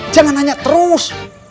jangan nanya terus